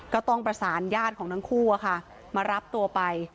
ก็ต้องประสานญาติของทั้งคู่มารับตัวไป